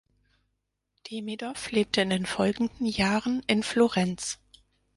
Demidoff lebte in den folgenden Jahren in Florenz.